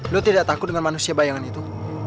lu tidak takut dengan manusia bayangan itu